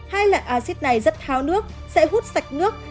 hai loại axit này rất tháo nước sẽ hút sạch nước